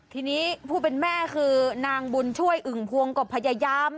ทีนี้ผู้เป็นแม่คือนางบุญช่วยอึ่งพวงก็พยายาม